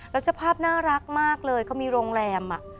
รสชภาพน่ารักมากเลยเขามีโรงแรมอะ